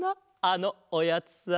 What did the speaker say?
あのおやつさ。